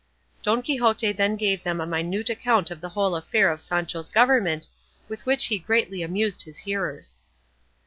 Don Quixote then gave them a minute account of the whole affair of Sancho's government, with which he greatly amused his hearers.